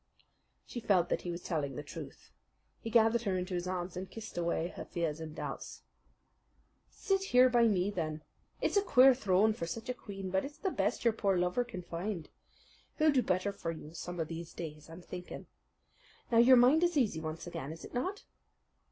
She felt that he was telling the truth. He gathered her into his arms and kissed away her fears and doubts. "Sit here by me, then. It's a queer throne for such a queen; but it's the best your poor lover can find. He'll do better for you some of these days, I'm thinking. Now your mind is easy once again, is it not?"